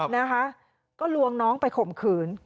นะคะก็ลวงน้องไปข่มขืน